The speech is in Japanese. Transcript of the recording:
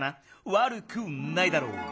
悪くないだろう。